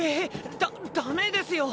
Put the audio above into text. ダダメですよ。